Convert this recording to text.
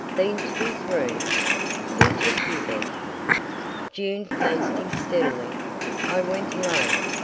"Been to his rooms? Who took you there?" June faced him steadily. "I went alone.